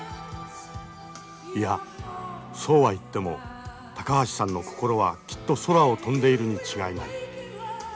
いやそうは言っても高橋さんの心はきっと空を飛んでいるに違いない。